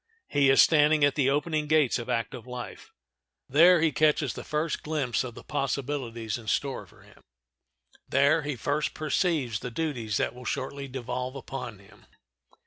He is standing at the opening gates of active life. There he catches the first glimpse of the possibilities in store for him. There he first perceives the duties that will shortly devolve upon him.